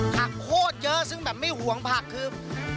โคตรเยอะซึ่งแบบไม่ห่วงผักคือ